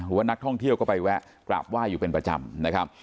ว่านักท่องเที่ยวก็ไปแวะกราบไหว้อยู่เป็นประจำนะครับ